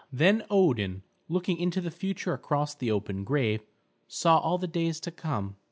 Then Odin, looking into the future across the open grave, saw all the days to come.